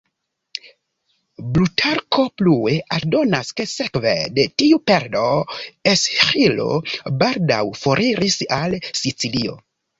Plutarko plue aldonas ke sekve de tiu perdo Esĥilo baldaŭ foriris al Sicilio.